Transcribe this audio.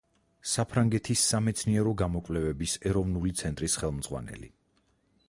საფრანგეთის სამეცნიერო გამოკვლევების ეროვნული ცენტრის ხელმძღვანელი.